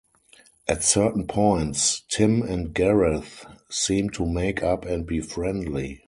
At certain points, Tim and Gareth seem to make up and be friendly.